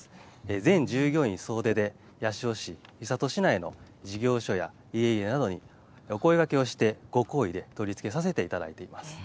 全従業員総出で八潮市、三郷市内の事業所や家々などにお声がけをしてご好意で取り付けさせていただいています。